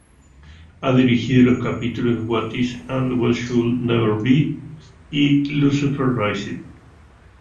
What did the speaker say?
Ha dirigido los capítulos "What Is and What Should Never Be" y "Lucifer Rising".